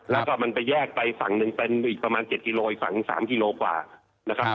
แล้วก็มันไปแยกไปฝั่งหนึ่งเป็นอีกประมาณ๗กิโลอีกฝั่ง๓กิโลกว่านะครับ